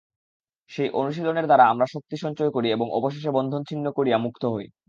সেই অনুশীলনের দ্বারা আমরা শক্তি সঞ্চয় করি এবং অবশেষে বন্ধন ছিন্ন করিয়া মুক্ত হই।